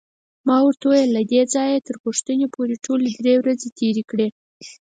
ما ورته وویل: له دې ځایه تر پوښتنې پورې ټولې درې ورځې تېرې کړې.